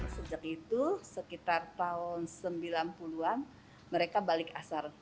sejak itu sekitar tahun sembilan puluh an mereka balik asar